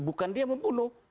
bukan dia membunuh